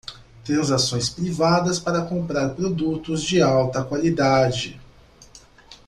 Transações privadas para comprar produtos de alta qualidade